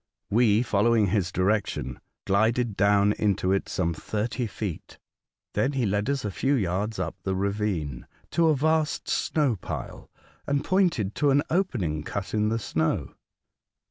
We, fol lowing his direction, glided down into it some thirty feet. Then he led us a few yards up the ravine, to a vast snow pile, and pointed to an opening cut in the snow.